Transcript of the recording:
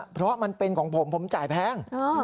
เพราะมันเป็นของผมผมจ่ายแพง